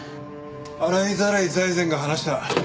洗いざらい財前が話した。